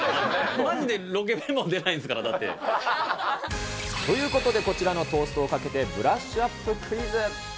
まじでロケ弁も出ないんですから、だって。ということで、こちらのトーストをかけて、ブラッシュアップクイズ。